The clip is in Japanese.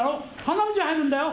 花道へ入るんだよ。